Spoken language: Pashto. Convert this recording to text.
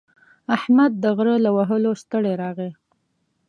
احمد د غره له وهلو ستړی راغی.